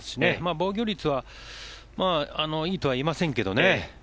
防御率はいいとは言えませんけどね。